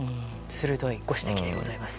鋭いご指摘でございます。